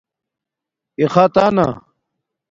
اختݳنہ